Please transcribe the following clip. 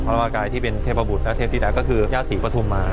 พระมากายที่เป็นเทพบุตรและเทพธิดาก็คือย่าศรีปฐุมมา